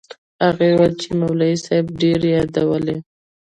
هغه وويل چې مولوي صاحب ډېر يادولې.